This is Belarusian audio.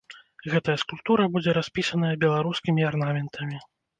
Гэтая скульптура будзе распісаная беларускімі арнаментамі.